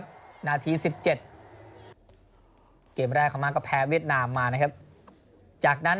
นาทีสิบเจ็ดเกมแรกพม่าก็แพ้เวียดนามมานะครับจากนั้น